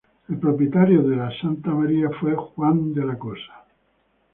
El propietario de la "Santa María" fue Juan de la Cosa.